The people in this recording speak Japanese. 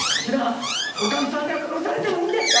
おかみさんが殺されてもいいんですか